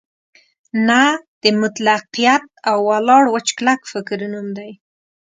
نه د مطلقیت او ولاړ وچ کلک فکر نوم دی.